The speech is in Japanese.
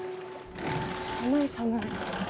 寒い寒い。